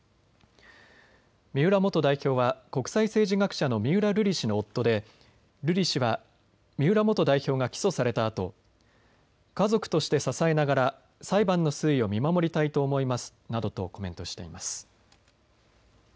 三浦元代表は国際政治学者の三浦瑠麗氏の夫で瑠麗氏は三浦元代表が起訴されたあと家族として支えながら裁判の推移を見守りたいと思いますとなどとコメントしています。